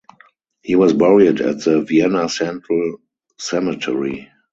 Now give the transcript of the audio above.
He was buried at the Vienna Central Cemetery.